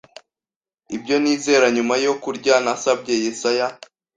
ibyo nizera Nyuma yo kurya nasabye Yesaya